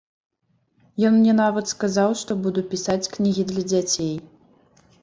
Ён мне нават сказаў, што буду пісаць кнігі для дзяцей.